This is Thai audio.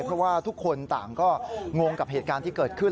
เพราะว่าทุกคนต่างก็งงกับเหตุการณ์ที่เกิดขึ้น